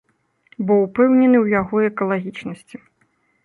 Бо ўпэўнены ў яго экалагічнасці.